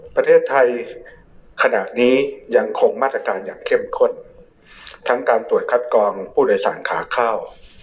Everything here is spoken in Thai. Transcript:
ประเทศไทยขณะนี้ยังคงมาตรการอย่างเข้มข้นทั้งการตรวจคัดกองผู้โดยสารขาเข้า